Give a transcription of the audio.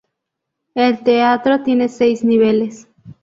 El teatro tiene seis niveles.